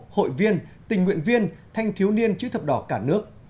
hội viên tình nguyện viên thanh thiếu niên chữ thập đỏ cả nước